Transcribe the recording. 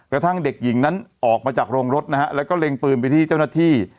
กระทั่งเด็กหญิงนั้นออกมาจากโรงรถนะฮะแล้วก็เล็งปืนไปที่เจ้าหน้าที่